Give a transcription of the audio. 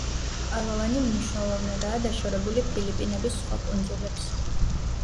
პალავანი მნიშვნელოვნადაა დაშორებული ფილიპინების სხვა კუნძულებს.